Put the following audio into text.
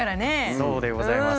そうでございます。